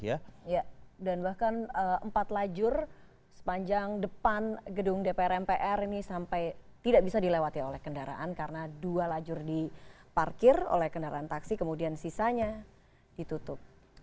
ya dan bahkan empat lajur sepanjang depan gedung dpr mpr ini sampai tidak bisa dilewati oleh kendaraan karena dua lajur diparkir oleh kendaraan taksi kemudian sisanya ditutup